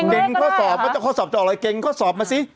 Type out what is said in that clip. เกรงข้อสอบจะออกอะไรเกรงข้อสอบมาสิ